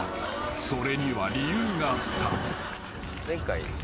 ［それには理由があった］